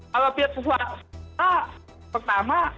kalau pihak swasta pertama